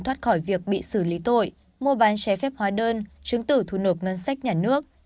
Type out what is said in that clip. thoát khỏi việc bị xử lý tội mua bán trái phép hóa đơn chứng tử thu nộp ngân sách nhà nước